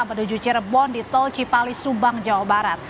menuju cirebon di tol cipali subang jawa barat